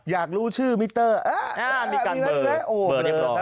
อยากรู้ชื่อมิตเตอร์มีการเบอร์โอ้เบอร์เรียบร้อย